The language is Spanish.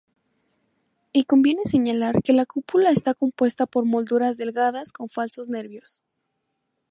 Y conviene señalar que la cúpula está compuesta por molduras delgadas con falsos nervios.